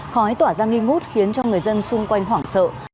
khói tỏa ra nghi ngút khiến cho người dân xung quanh hoảng sợ